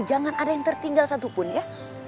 jangan ada yang tertinggal satupun ya